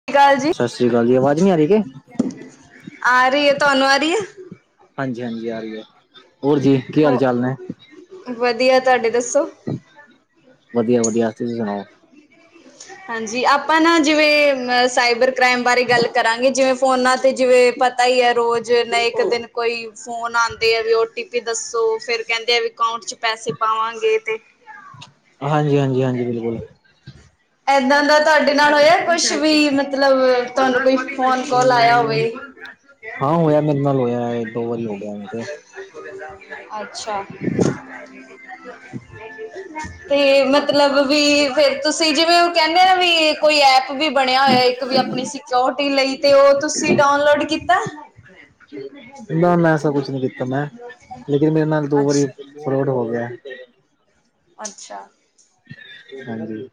ਸਤ ਸ਼੍ਰੀ ਅਕਾਲ ਜੀ ਸਤਿ ਸ੍ਰੀ ਅਕਾਲ ਜੀ ਆਵਾਜ਼ ਨਹੀਂ ਆ ਰਹੀ ਕਿ ਆ ਰੀ ਐ, ਤੁਹਾਨੂੰ ਆ ਰੀ ਐ? ਹਾਂਜੀ ਹਾਂਜੀ ਆ ਰੀ ਐ, ਹੋਰ ਜੀ ਕੀ ਹੋ ਹਾਲ-ਚਾਲ ਨੇ? ਵਧੀਆ, ਤੁਹਾਡੇ ਦੱਸੋ? ਵਧੀਆ-ਵਧੀਆ, ਤੁਸੀਂ ਸੁਣਾਓ? ਹਾਂਜੀ ਆਪਾਂ ਨਾ ਜਿਵੇਂ ਅ ਸਾਈਬਰ ਕ੍ਰਾਈਮ ਬਾਰੇ ਗੱਲ ਕਰਾਂਗੇ ਜਿਵੇਂ ਫੋਨਾਂ ਤੇ ਜਿਵੇਂ ਪਤਾ ਈ ਐ ਰੋਜ਼ ਨਈ ਇੱਕ ਦਿਨ ਕੋਈ ਫੋਨ ਆਉਂਦੇ ਆ ਵੀ ਓ ਟੀ ਪੀ ਦੱਸੋ ਫੇਰ ਕਹਿੰਦੇ ਆ ਵੀ ਅਕਾਊਂਟ ਚ ਪੈਸੇ ਪਾਵਾਂਗੇ ਤੇ ਹਾਂਜੀ-ਹਾਂਜੀ-ਹਾਂਜੀ ਬਿਲਕੁਲ ਇਦਾਂ ਦਾ ਤੁਹਾਡੇ ਨਾਲ ਹੋਇਆ ਕੁਛ ਵੀ ਮਤਲਬ? ਤੁਹਾਨੂੰ ਕੋਈ ਫੋਨ ਕਾਲ ਆਇਆ ਹਮ ਹੋਵੇ। ਹਾਂ ਹੋਇਆ ਮੇਰੇ ਨਾਲ ਹੋਇਆ ਦੋ ਵਾਰੀ ਹੋ ਗਿਆ ਐਵੇ ਤੇ ਅੱਛਾ, ਤੇ ਮਤਲਬ ਵੀ ਫਿਰ ਤੁਸੀਂ ਜਿਵੇਂ ਉਹ ਕਹਿੰਦੇ ਨਾ ਵੀ ਕੋਈ ਐਪ ਵੀ ਬਣਿਆ ਹੋਇਆ ਇੱਕ ਵੀ ਆਪਣੀ ਸਕਿਊਰਿਟੀ ਲਈ ਤੇ ਉਹ ਤੁਸੀਂ ਡਾਊਨਲੋਡ ਕੀਤਾ। ਨਾ ਮੈਂ ਐਸਾ ਕੁਛ ਨੀ ਕੀਤਾ [unintelligible] ਅੱਛਾ, ਫਰੌੜ ਹੋ ਗਿਆ। ਅੱਛਾ, ਹਾਂਜੀ,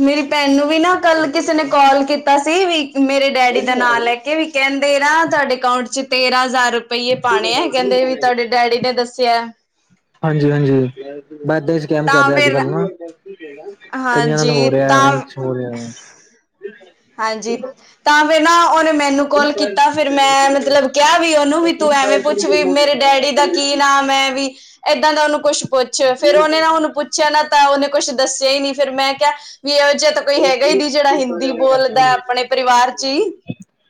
ਮੇਰੀ ਭੈਣ ਨੂੰ ਵੀ ਨਾ ਕੱਲ ਕਿਸੇ ਨੇ ਕਾਲ ਕੀਤਾ ਸੀ ਵੀ ਮੇਰੇ ਡੈਡੀ ਦਾ ਹਾਂਜੀ ਨਾਂ ਹਾਂਜੀ ਲੈ ਕੇ ਵੀ ਕਹਿੰਦੇ ਨਾ ਤੁਹਾਡੇ ਅਕਾਊਂਟ 'ਚ ਤੇਰਾਂ ਹਜ਼ਾਰ ਰੁਪ ਪਈਏ ਪਾਣੇ ਆ ਕਹਿੰਦੇ ਵੀ ਤੁਹਾਡੇ ਡੈਡੀ ਨੇ ਦੱਸਿਆ। ਹਾਂਜੀ-ਹਾਂਜੀ, ਵਾਧੂ ਸਕੈਮ ਚੱਲ ਤਾਂ ਰਿਹਾ ਅੱਜ ਫਿਰ ਕੱਲ ਨਾ ਕਈਆਂ ਨਾਲ ਹਾਂਜੀ ਹੋ ਰਿਹਾ ਐਵੇ ਈ ਤਾਂ ਹੋ ਰਿਆ। ਹਾਂਜੀ, ਤਾਂ ਫਿਰ ਨਾ ਉਹਨੇ ਮੈਨੂੰ ਕੋਲ ਕੀਤਾ, ਫੇਰ ਮੈਂ ਮਤਲਬ ਕੇਯਾ ਵੀ ਓਨੂੰ ਵੀ ਤੂੰ ਐਵੇਂ ਪੁੱਛ ਮੇਰੇ ਡੈਡੀ ਦਾ ਕੀ ਨਾਮ ਐ ਵੀ ਇਦਾਂ ਦਾ ਓਨੂੰ ਕੋਛ ਪੁੱਛ, ਫੇਰ ਓਨੇ ਨਾ ਹਾਂ-ਹਾਂ ਓਨੂੰ ਪੁੱਛ ਛਿਆ ਨਾ ਤਾਂ ਓਨੇ ਕੁਛ ਦੱਸਿਆ ਈ ਨੀਂ, ਫੇਰ ਮੈਂ ਕੇ ਵੀ ਏਹੋ ਜਾ ਤਾਂ ਕੋਈ ਹੈਗਾ ਈ ਨੀ ਜੇੜਾ ਹਿੰਦੀ ਬੋਲਦੈ ਅਪਨੇ ਪਰਿਵਾਰ ਚ ਈ।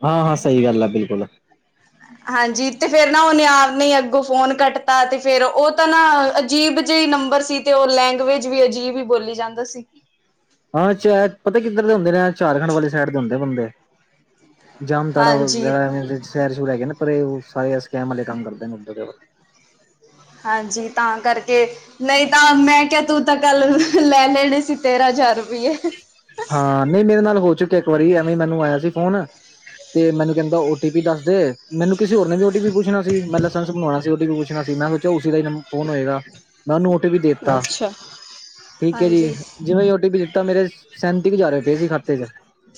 ਹਾਂ-ਹਾਂ, ਸਈ ਗੱਲ ਐ ਬਿਲਕੁਲ। ਹਾਂਜੀ, ਤੇ ਫੇਰ ਨਾ ਓਨੇ ਆਪ ਨੇ ਅੱਗੋ ਫੋਨ ਕੱਟਤਾ ਤੇ ਫੇਰ ਓ ਤਾਂ ਨਾ ਅਜੀਬ ਜਈ ਨੰਬਰ ਸੀ ਤੇ ਓ ਲੈਂਗੁਏਜ ਵੀ ਅਜੀਬ ਈ ਬੋਲੀ ਜਾਂਦਾ ਸੀ। ਹਾਂ, ਸ਼ੈਅਦ ਪਤਾ ਕਿੱਧਰ ਦੇ ਹੁੰਦੇ ਨੇ ਆ ਝਾਰਖੰਡ ਵਾਲੀ ਸਾਈਡ ਦੇ ਹੁੰਦੇ ਆ ਬੰਦੇ। ਜਾਮ ਤੜਾ ਹਾਂਜੀ ਵਗੈਰਾ ਸ਼ੈਰ ਸ਼ੋਰ ਹੈਗੇ ਨੇ ਪਰੇ ਓ ਸਾਰੇ ਸਕੈਮ ਵਾਲੇ ਕੰਮ ਕਰਦੇ ਨੇ ਮੁੰਡੇ ਓਦਰ ਦੇ। ਹਾਂਜੀ, ਤਾਂ ਕਰਕੇ। ਨਈਂ ਤਾਂ ਮੈਂ ਕੇਆ ਤੂੰ ਤਾਂ ਕੱਲ ਨੂੰ ਲੈ ਲੈਣੇ ਸੀ ਤੇਰਾਂ ਹਜਾਰ ਰੁਪਈਏ। ਹਾਂ। ਨਈਂ ਮੇਰੇ ਨਾਲ ਹੋ ਚੁੱਕਿਆ ਏਕ ਵਾਰੀ ਐਵੇਂ ਮੈਨੂੰ ਆਯਾ ਸੀ ਫੋਨ ਤੇ ਮੈਨੂੰ ਕੈਂਦਾ ਓਟੀਪੀ ਦੱਸ ਦੇ। ਮੈਨੂੰ ਕਿਸੇ ਹੋਰ ਨੇ ਵੀ ਓਟੀਪੀ ਪੁੱਛਣਾ ਸੀ। ਮੈਂ ਲਾਇਸੈਂਸ ਬਣਾਉਣਾ ਸੀ ਓਟੀਪੀ ਪੁੱਛਣਾ ਸੀ ਮੈਂ ਸੋਚਿਆ ਉਦਾ ਨਾ ਫੋਨ ਹੋਏਗਾ। ਮੈਂ ਓਨੂੰ ਓਟੀਪੀਦੇ ਦੇਤਾ, ਅੱਛਾ। ਠੀਕ ਐ ਜੀ, ਹਾਂਜੀ ਜਿਵੇਂ ਓਟੀ ਪੀ ਦਿੱਤਾ ਮੇਰੇ ਸਾ ਸੈਂਤੀ ਕੁ ਹਜਾਰ ਰੁਪਏ ਸੀ ਖਾਤੇ ਚ,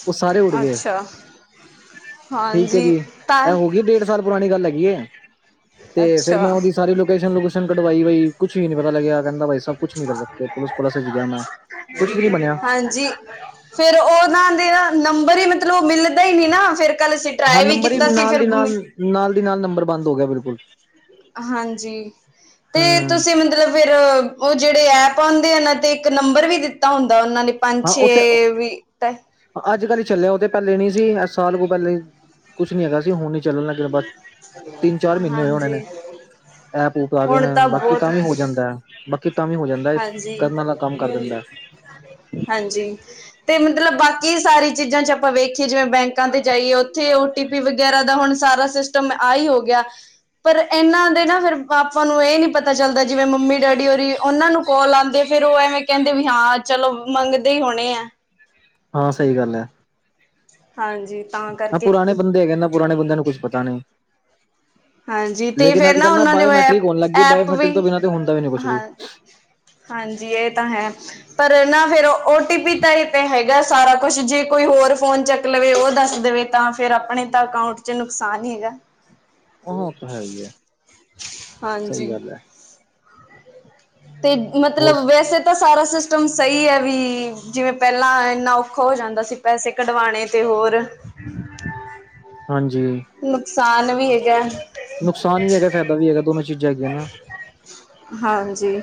ਓ ਸਾਰੇ ਉੱਡ ਗਏ। ਅੱਛਾ ਠੀਕ ਹੈ ਹਾਂਜੀ, ਜੀ ਤਾਂ ਇਹ ਹੋ ਡੇਢ ਸਾਲ ਪੁਰਾਣੀ ਗੱਲ ਹੈਗੀਏ, ਤੇ ਫਿਰ ਅੱਛਾ ਮੈਂ ਓਦੀ ਸਾਰੀ ਲੋਕੇਸ਼ਨ ਲੁਕੇਸਨ ਕਢਵਾਈ ਬਈ ਕੁੱਛ ਵੀ ਨੀ ਪਤਾ ਲੱਗਿਆ ਕੈਂਦਾ ਬਾ ਅਬ ਕੁਛ ਨੀ ਕਰ ਸਕਤੇ, ਪੁਲਿਸ ਪਲਸ ਚ ਗਯਾ ਮੈਂ ਕੁਛ ਵੀ ਨੀ ਬਨੇਆ। ਹਾਂਜੀ। ਫੇਰ ਓਨਾਂ ਦੇ ਨਾ ਨੰਬਰ ਈ ਮਤਲਬ ਮਿਲਦੇ ਨੀ ਨਾ ਫੇਰ ਕੱਲ ਅਸੀ ਹਾਂ ਟਰਾਏ ਵੀ ਨੰਬਰ ਹੀ ਕੀਤਾ ਸੀ ਨਾਲ ਫੇਰ ਦੀ ਨਾਲ ਨਾਲ ਦੀ ਨਾਲ ਨੰਬਰ ਬੰਦ ਹੋ ਗਯਾ ਬਿਲਕੁਲ। ਹਾਂਜੀ, ਤੇ ਹਮ ਤੁਸੀਂ ਮਤਲਬ ਫੇਰ ਓ ਜੇੜੇ ਐਪ ਆਉਦੇ ਓਨਾਂ ਤੇ ਇੱਕ ਨੰਬਰ ਵੀ ਦਿੱਤਾ ਹੁੰਦਾ ਓਨਾਂ ਨੇ। ਪੰਜ ਹਾਂ ਉੱਥੇ ਛੇ ਵੀ ਔਹ ਅੱਜ-ਕੱਲ ਹੀ ਚੱਲਿਆ ਓਤੇ ਪੈਲੇ ਨੀ ਸੀ ਸਾਲ ਕੋ ਪੈਲੇ। ਕੁਛ ਨੀ ਹੈਗਾ ਸੀ ਹੁਣ ਈ ਚੱਲਣਾ ਲੱਗੇਆ ਬਸ ਤਿੰਨ-ਚਾਰ ਮੀਨੇ ਹੋਏ ਹੋਣੇ ਨੇ, ਹਾਂਜੀ ਐਪ ਊਪ ਆ ਗਏ ਹੁਣ ਨੇ ਬਾਕੀ ਬਹੁਤ ਤਾਂ ਵੀ ਓੜ ਜਾਂਦੈ। ਬਾਕੀ ਤਾਂ ਵੀ ਹੋ ਜਾਂਦੈ, ਹਾਂਜੀ ਕਰਨ ਵਾਲਾ ਕੰਮ ਕਰ ਦਿੰਦਾ। ਹਾਂਜੀ। ਤੇ ਮਤਲਬ ਬਾਕੀ ਸਾਰੀ ਚੀਜ਼ਾਂ 'ਚ ਆਪਾਂ ਵੇਖੀਏ ਜਿਵੇਂ ਬੈਂਕਾਂ ਤੇ ਜਾਈਏ ਓਥੇ ਓ ਟੀਪੀ ਵਗੈਰਾ ਦਾ ਹੁਣ ਸਾਰਾ ਸਿਸ ਆਈ ਹੋ ਗਿਆ, ਪਰ ਏਨਾਂ ਦੇ ਨਾ ਫੇਰ ਆਪਾਂ ਨੂੰ ਏ ਨੀ ਪਤਾ ਪਤਾ ਚੱਲਦਾ ਜਿਵੇਂ ਮੰਮੀ-ਡੈਡੀ ਹੋਰੀ ਓਨਾਂ ਨੂੰ ਕੋਲ ਆਂਦੀ ਫੇਰ ਓ ਐਵੇਂ ਕੈਂਦੇ ਵੀ ਹਾਂ ਚਲੋ, ਮੰਗਦੇ ਈ ਹੋਣੇ ਆ। ਹਾਂ, ਸਈ ਗੱਲ ਐ। ਹਾਂਜੀ। ਤਾਂ ਹਾਂ, ਕਰਕੇ ਪੁਰਾਣੇ ਬੰਦੇ ਹੈਗੇਨੇ ਪੁਰਾਣੇ ਬੰਦਿਆਂ ਨੂੰ ਕੁਛ ਪਤਾ ਨਈਂ। ਹਾਂਜੀ ਤੇ ਲੇਕਿਨ ਫੇਰ ਅੱਜ-ਕੱਲ ਨਾ ਉਹਨਾਂ ਨੇ ਬਾਇਓਮੈਟ੍ਰਿਕ ਹੋਣ ਐਪ ਲੱਗਗੀ ਐਪ ਵੀ ਬਾਇਓਮੈਟ੍ਰਿਕ ਤੋਂ ਬਿਨਾਂ ਤੇ ਹੁੰਦਾ ਵੀ ਨੀ ਕੁਛ ਵੀ। ਹਾਂ ਹਾਂਜੀ, ਏ ਤਾਂ ਹੈ। ਪਰ ਨਾ ਫਿਰ ਓਟੀਪੀ ਤਾਂ ਇ ਤੇ ਹੈਗਾ ਸਾਰਾ ਕੁਛ, ਜੇ ਕੋਈ ਹੋਰ ਫੋਨ ਚੱਕ ਲਵੇ ਓ ਦੱਸ ਦੇਵੇ? ਤਾਂ ਫੇਰ ਅਪਨੇ ਤਾਂ ਅਕਾਊਂਟ ਚ ਨੁਕਸਾਨ ਹੀ ਹੈਗਾ। ਹਾਂ, ਓ ਤਾਂ ਹੈ ਹੀਏ, ਸਈ ਹਾਂਜੀ। ਗੱਲ ਐ। ਤੇ ਹੋਰ ਮਤਲਬ ਵੈਸੇ ਤੇ ਸਾਰਾ ਸਿਸਟਮ ਸਹੀ ਐ ਵੀ ਜਿਵੇਂ ਪਹਿਲਾਂ ਇੰਨਾ ਔਖਾ ਹੋ ਜਾਂਦਾ ਸੀ ਪੈਸੇ ਕਢਵਾਣੇ ਤੇ ਹੋਰ, ਹਾਂਜੀ। ਨੁਕਸਾਨ ਵੀ ਹੈਗਾ। ਨੁਕਸਾਨ ਵੀ ਹੈਗਾ ਫਾਇਦਾ ਵੀ ਹੈਗਾ ਦੋਨੋ ਚੀਜ਼ਾਂ ਹੈਗੀਆ ਨਾ। ਹਾਂਜੀ।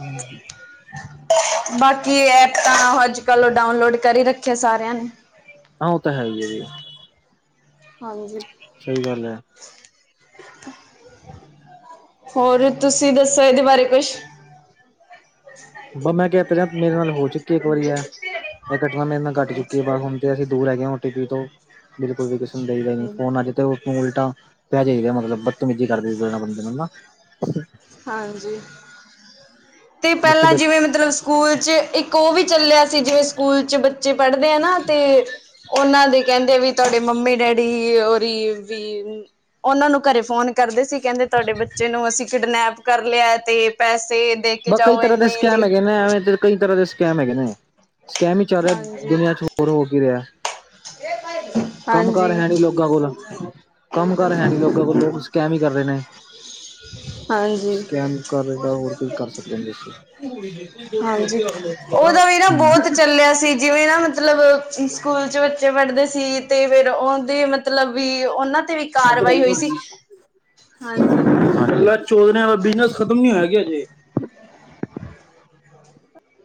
ਹੂੰ। ਬਾਕੀ ਐਪਾ ਅੱਜ-ਕੱਲ ਉਹ ਡਾਊਨਲੋਡ ਕਰੀ ਰੱਖਿਆ ਸਾਰਿਆਂ ਨੇ, ਹਾਂ ਉਹ ਤਾਂ ਹੈ ਹੀ ਆ ਜੀ। ਹਾਂਜੀ। ਸਹੀ ਗੱਲ ਐ। ਹੋਰ ਤੁਸੀਂ ਦੱਸੋ ਇਹਦੇ ਬਾਰੇ ਕੁਛ [unintelligible] ਬ ਮੈਂ ਕਹਿ ਤਾਂ ਰਿਹਾ ਮੇਰੇ ਨਾਲ ਹੋ ਚੁੱਕੀ ਇੱਕ ਵਾਰੀ ਹੈ ਇਹ ਘਟਨਾ ਮੇਰੇ ਨਾਲ ਘੱਟ ਚੁੱਕੀ ਹੈ ਬਸ [unintelligible] ਹੁਣ ਤੇ ਅਸੀਂ ਦੂਰ ਹੈਗੇ ਹਾਂ ਹੁਣ ਟੀ ਵੀ ਤੋਂ ਬਿਲਕੁਲ ਵੀ ਕਿਸੇ ਨੂੰ ਦੇਈਦਾ ਨੀ ਫੋਨ ਅੱਜ ਤੋ ਉਲਟਾ ਪੈ ਜਾਹੀਦਾ, ਮਤਲਬ ਬਤਮੀਜੀ ਕਰਦੇ ਬੰਦੇ ਨੂੰ, ਹਨਾ। ਹਾਂਜੀ, ਤੇ ਬਾਕੀ ਪਹਿਲਾਂ ਬ ਜਿਵੇਂ ਮਤਲਬ ਸਕੂਲ ਚ ਇੱਕ ਉਹ ਵੀ ਚੱਲਿਆ ਸੀ, ਜਿਵੇਂ ਸਕੂਲ ਚ ਬ ਬੱਚੇ ਪੜ੍ਹਦੇ ਆ ਨਾ ਤੇ ਉਹਨਾਂ ਦੇ ਕਹਿੰਦੇ ਆ ਵੀ ਤੁਹਾਡੇ ਮੰਮੀ ਡੈਡੀ ਦੀ ਔ ਰੀ ਵੀ, ਉਹਨਾਂ ਨੂੰ ਘਰੇ ਫੋਨ ਕਰਦੇ ਸੀ, ਕਹਿੰਦੇ ਤੁਹਾਡੇ ਬੱਚੇ ਨੂੰ ਅਸੀਂ ਕਿਡਨੈਪ ਕਰ ਲਿਆ ਤੇ ਪੈਸੇ, ਦੇ ਕੇ ਬ ਕਈ ਜਾਓ ਤਰ੍ਹਾਂ ਦੇ ਇੰਨੇ ਤੇ ਸਕੈਂਮ ਹੈਗੇ ਨੇ ਇੱਧਰ ਕਈ ਤਰ੍ਹਾਂ ਦੇ ਸਕੈਮ ਹੈਗੇ ਨੇ, ਸਕੈਮ ਹੀ ਚੱਲ ਰਿਹਾ ਦੁਨੀਆਂ ਚ ਹੋਰ ਹੋ ਕੀ ਰਿਹਾ। ਇਹ ਬਾਈ, ਕੰਮ ਕਾਰ ਹੈ ਨੀ ਲੋਕਾਂ ਕੋਲ, ਕੰਮ ਕਾਰ ਹੈ ਨੀ ਲੋਕਾਂ ਕੋਲ, ਲੋਕ ਸਕੈਮ ਹੀ ਕਰ ਰਹੇ ਨੇ। ਹਾਂਜੀ ਸਕੈਮ ਕਰ ਰਹੇ ਹੋਰ ਕੀ ਕਰ ਸਕਦੇ ਅਸੀਂ। ਹਾਂਜੀ, ਉਹਦਾ ਵੀ ਨਾ ਬਹੁਤ ਚੱਲ ਗਿਆ ਸੀ, ਜਿਵੇਂ ਨਾ ਮਤਲਬ ਸਕੂਲ ਚ ਬੱਚੇ ਪੜ੍ਹਦੇ ਸੀ ਤੇ ਫੇਰ ਉਹਦੇ ਮਤਲਬ ਵੀ ਉਹਨਾਂ ਤੇ ਵੀ ਮ ਕਾਰਵਾਈ ਹੋਈ ਸੀ ਹਾਂਜੀ [unintelligible] ਕੱਲਾ ਚੋਰਾ ਦਾ ਬਿਜਨਸ ਖ਼ਤਮ ਨੀ ਹੋਇਆ ਕਿ ਹਜੇ।